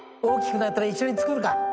大きくなったら一緒に作るか。